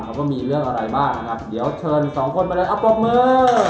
ว่ามีเรื่องอะไรบ้างครับเดี๋ยวเชิญ๒คนมาแล้วอับรอบมือ